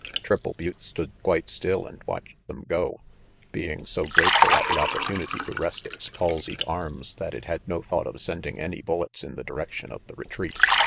Triple Butte stood quite still and watched them go, being so grateful at the opportunity to rest its palsied arms that it had no thought of sending any bullets in the direction of the retreat.